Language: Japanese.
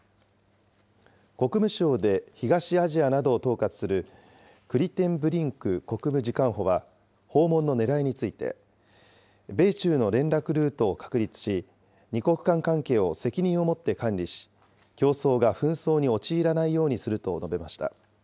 国務省で東アジアなどを統括するクリテンブリンク国務次官補は訪問のねらいについて、米中の連絡ルートを確立し、２国間関係を責任を持って管理し、競争が紛争に陥らないようにすると述べました。